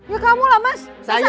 ya kamu lah mas